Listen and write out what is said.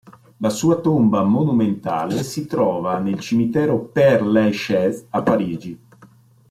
La sua tomba monumentale si trova nel cimitero Père Lachaise, a Parigi.